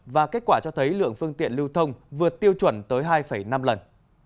và kết quả cho thấy lượng phương tiện lưu thông vượt tiêu chuẩn tới hai năm lần